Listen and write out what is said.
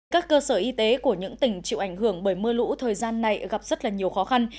các cơ sở y tế của những tỉnh chịu ảnh hưởng bởi mưa lũ thời gian này gặp rất là nhiều khó khăn